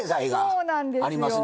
そうなんですよ。